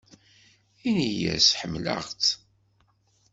Ini-as ḥemmleɣ-tt.